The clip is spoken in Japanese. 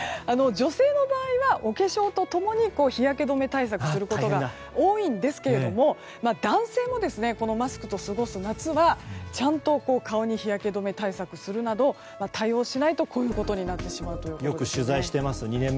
女性の場合はお化粧と共に日焼け止め対策することが多いんですけれども男性もマスクと過ごす夏はちゃんと顔に日焼け止め対策をするなど対応しないとこうなってしまいます。